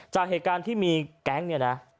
จากเหตุการณ์ที่มีแก๊งเนี่ยนะ